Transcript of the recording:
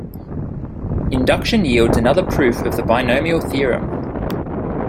Induction yields another proof of the binomial theorem.